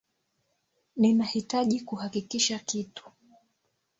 Ninahitaji kuhakikisha kitu.